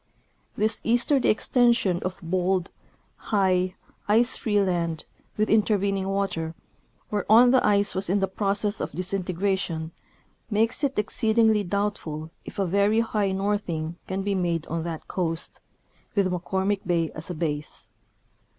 This easterly extension of bold, high, ice free land, with intervening water, whereon the ice was in the process of disintegration, makes it exceedingly doubtful if a very high northing can be made on that coast, with McCormick bay as a base.